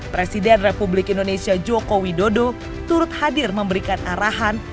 presiden republik indonesia joko widodo turut hadir memberikan arahan